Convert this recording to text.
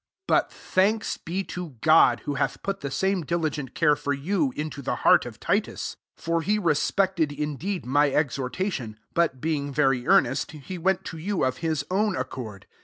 16 But thanks be to God, who hath put the same dili gent care for you, into the heart of Titus. 17 For he respected indeed my exhortation ; but, be ings vciy earnest, he went to you of his ovvn accord.